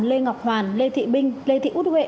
lê ngọc hoàn lê thị binh lê thị út huệ